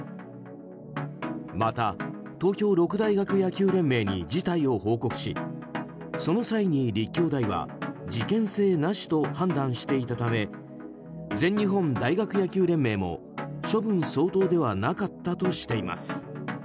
また、東京六大学野球連盟に事態を報告しその際に、立教大は事件性なしと判断していたため全日本大学野球連盟も処分相当ではなかったとしています。